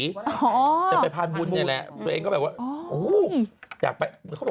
จากไปพาร๑๘๐๒นี้แหละสักถึงไปมาจากอุ๊ยตามใจว่าอยากไป